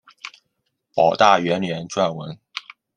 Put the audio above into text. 保大元年撰文。